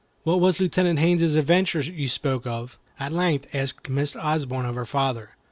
"What was Lieutenant Haines's adventure you spoke of?" at length asked Miss Osborne of her father.